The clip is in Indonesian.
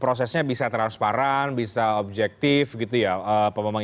prosesnya bisa transparan bisa objektif gitu ya pak bambang